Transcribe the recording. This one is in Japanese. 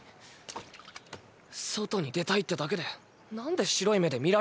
外に出たいってだけでなんで白い目で見られるんだ。